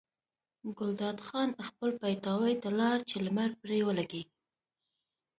ګلداد خان خپل پیتاوي ته لاړ چې لمر پرې ولګي.